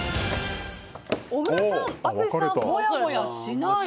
小倉さん、淳さんはもやもやしない。